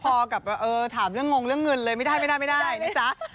พอกับถามเรื่องงงเรื่องเงินเลยไม่ได้ไม่ได้นะจ๊ะ